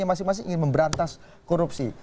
yang masing masing ingin memberantas korupsi